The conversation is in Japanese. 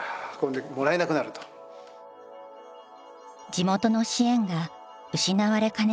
地元の支援が失われかねない危機。